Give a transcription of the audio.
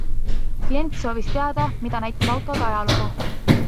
Klient soovis teada, mida näitab autode ajalugu.